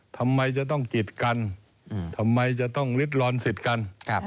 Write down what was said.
ทำไมจะต้องกิดกันทำไมจะต้องลิดลอนสิทธิ์กัน